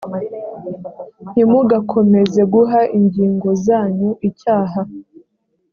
ntimugakomeze guha ingingo zanyu icyaha